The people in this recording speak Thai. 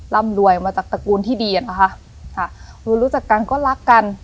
ร่ำรวยมาจากตระกูลที่ดีอ่ะนะคะค่ะคือรู้จักกันก็รักกัน